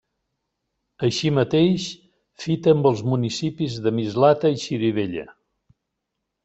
Així mateix, fita amb els municipis de Mislata i Xirivella.